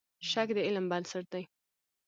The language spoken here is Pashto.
شک د علم بنسټ دی.